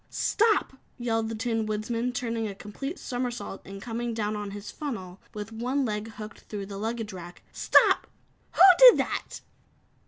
"Stop!" yelled the Tin Woodman, turning a complete somersault and coming down on his funnel with one leg hooked through the luggage rack. "Stop! Who did that?"